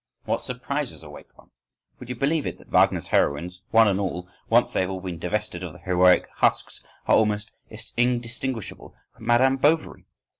What surprises await one! Would you believe it, that Wagner's heroines one and all, once they have been divested of the heroic husks, are almost indistinguishable from Mdme. Bovary!